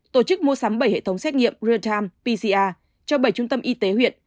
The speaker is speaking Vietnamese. tổ chức mua sắm bảy hệ thống xét nghiệm real time pcr cho bảy trung tâm y tế huyện